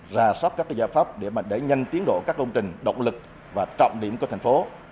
ra sót các giải pháp để đẩy nhanh tiến độ các công trình động lực và trọng điểm của thành phố